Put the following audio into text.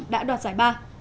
đã đoạt giải ba